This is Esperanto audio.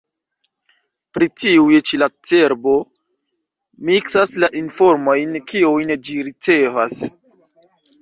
Pri tiuj ĉi la cerbo miksas la informojn, kiujn ĝi ricevas.